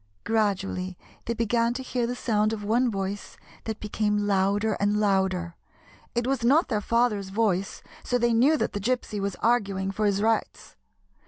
Gradually they began to hear the sound of one voice that became louder and louder. It was not their father's voice, so they knew that the Gypsy was arguing for his rights.